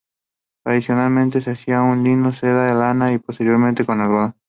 Tradicionalmente, se hacía con lino, seda, lana y posteriormente con algodón.